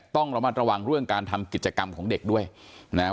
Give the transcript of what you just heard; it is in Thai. ต้องระมัดระวังเรื่องการทำกิจกรรมของเด็กด้วยนะครับ